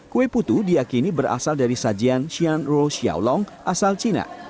kue putu diakini berasal dari sajian xian ro xiaolong asal cina